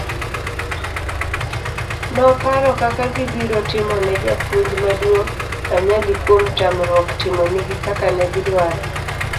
noparo kaka gibiro timone japuonj maduong' anyali kuom tamruok timo nigi kaka negidwaro